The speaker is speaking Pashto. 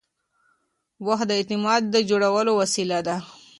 وخت د اعتماد جوړولو وسیله ده.